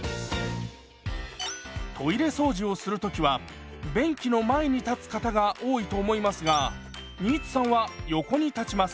トイレ掃除をする時は便器の前に立つ方が多いと思いますが新津さんは横に立ちます。